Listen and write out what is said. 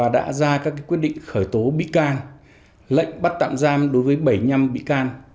đã ra các quyết định khởi tố bị can lệnh bắt tạm giam đối với bảy mươi năm bị can